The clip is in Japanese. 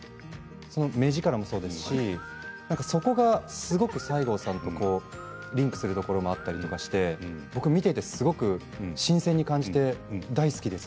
目力もそうですしそこがすごく西郷さんとリンクするところもあったりして見ていてすごく新鮮に感じて大好きです。